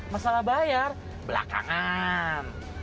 masalah bayar belakangan